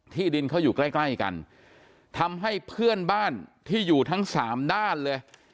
ดินเขาอยู่ใกล้ใกล้กันทำให้เพื่อนบ้านที่อยู่ทั้งสามด้านเลย